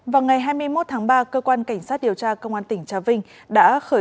vào ngày hai mươi một tháng ba cơ quan cảnh sát điều tra công an tỉnh trà vinh đã khởi